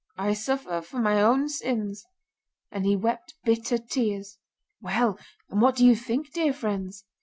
I suffer for my own sins,' and he wept bitter tears. Well, and what do you think, dear friends?"